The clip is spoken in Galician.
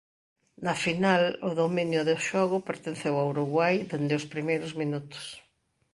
Na final o dominio do xogo pertenceu a Uruguai dende os primeiros minutos.